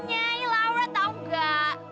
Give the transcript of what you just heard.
nyah bangun nyah